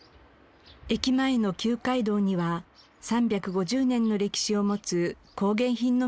駅前の旧街道には３５０年の歴史を持つ工芸品の店などもあります。